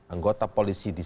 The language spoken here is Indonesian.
anggota polisi di